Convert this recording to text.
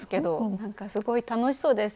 なんかすごい楽しそうです。